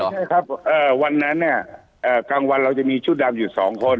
ใช่ครับวันนั้นเนี่ยกลางวันเราจะมีชุดดำอยู่๒คน